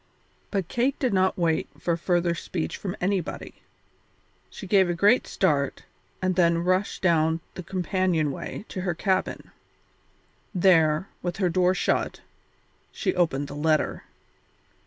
But Kate did not wait for further speech from anybody. She gave a great start, and then rushed down the companion way to her cabin. There, with her door shut, she opened the letter.